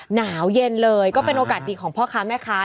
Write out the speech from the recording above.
หนาวเย็นเลยก็เป็นโอกาสดีของพ่อค้าแม่ค้า